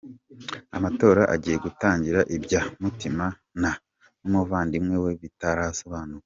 Amatora agiye gutangira ibya mutima na numuvandimwe we bitarasobanuka